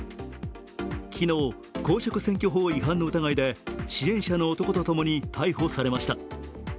昨日、公職選挙法違反の疑いで支援者の男とともに逮捕されました。